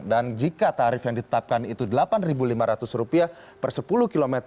dan jika tarif yang ditetapkan itu rp delapan lima ratus per sepuluh km